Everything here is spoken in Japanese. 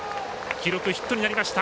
記録ヒットになりました。